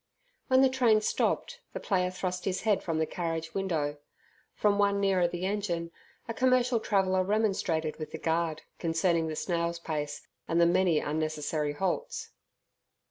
When the train stopped, the player thrust his head from the carriage window. From one nearer the engine, a commercial traveller remonstrated with the guard, concerning the snail's pace and the many unnecessary halts.